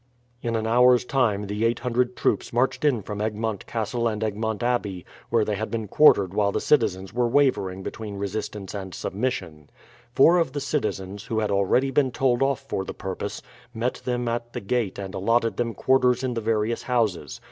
In an hour's time the 800 troops marched in from Egmont Castle and Egmont Abbey, where they had been quartered while the citizens were wavering between resistance and submission. Four of the citizens, who had already been told off for the purpose, met them at the gate and allotted them quarters in the various houses.